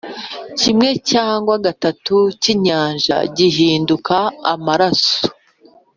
kimwe cya gatatu cy’inyanja gihinduka amaraso,